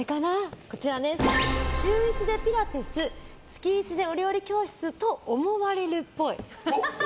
週１でピラティス月１でお料理教室と思われるっぽい。